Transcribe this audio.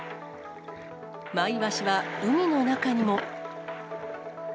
マイワシは海の中にも。